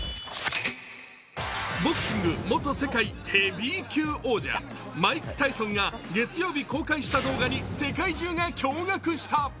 ボクシング元世界ヘビー級王者マイク・タイソンが月曜日、公開した動画に世界中が驚愕した。